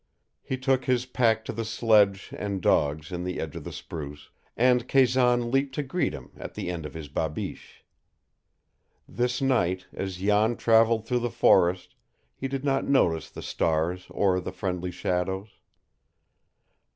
He took his pack to the sledge and dogs in the edge of the spruce, and Kazan leaped to greet him at the end of his babiche. This night as Jan traveled through the forest he did not notice the stars or the friendly shadows.